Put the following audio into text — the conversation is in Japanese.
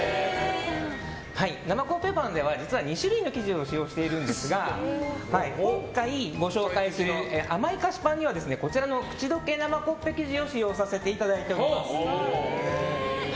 生コッペパンは２種類の生地を使用しているんですが今回ご紹介する甘い菓子パンにはこちらのくちどけ生コッペ生地を使用させてもらってます。